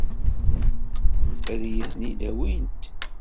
Ad iyi-ten-id-awint?